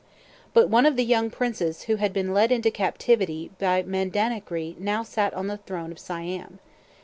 But one of the young princes who had been led into captivity by Mandanahgri now sat on the throne of Siam.